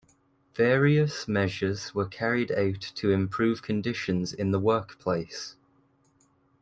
Various measures were carried out to improve conditions in the workplace.